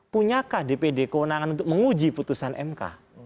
punyakah dpd kewenangan untuk menguji putusan mk